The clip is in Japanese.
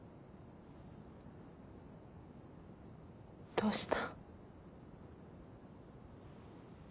どうした？